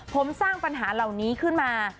ผมสร้างปัญหาเหล่านี้ขึ้นมา